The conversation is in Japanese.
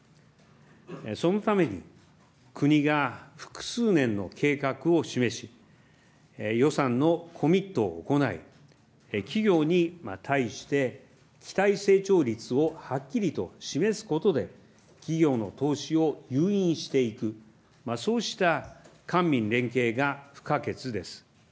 そのために、国が複数年の計画を示し、予算のコミットを行い、企業に対して期待成長率をはっきりと示すことで、企業の投資を誘引していく、そうした官民連携が不可欠です。